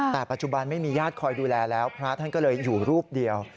แต่ปัจจุบันไม่มีญาติคอยดูแลแล้วพระท่านก็เลยอยู่รูปเดียว